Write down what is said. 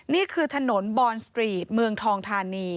นี่คือถนนบอนสตรีทเมืองทองธานี